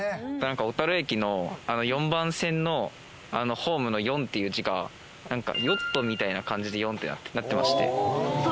小樽駅の４番線のホームの「４」っていう字がヨットみたいな感じで「４」ってなってまして。